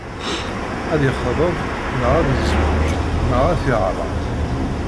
Ad yexḍeb neɣ ad yezweǧ, neɣ ar t-yeɛrek.